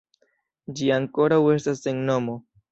Ĝi ankoraŭ estas sen nomo.